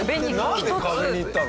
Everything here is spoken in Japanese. なんで壁に行ったの？